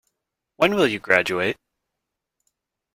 When will you graduate?